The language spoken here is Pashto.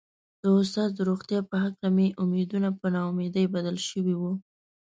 د استاد د روغتيا په هکله مې امېدونه په نا اميدي بدل شوي وو.